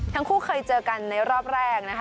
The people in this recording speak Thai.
ทั้งคู่เคยเจอกันในรอบแรกนะคะ